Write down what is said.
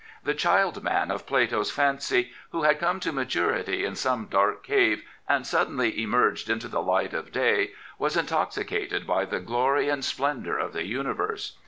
The child man of Plato's fancy who had come to maturity in some dark cave and suddenly emerged into the light of day was intoxicated by the glory and splendour of the universe.